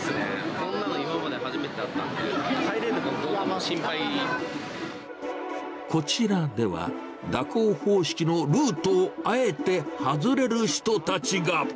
こんなの今まで初めてだったので、こちらでは、蛇行方式のルートをあえて外れる人たちが。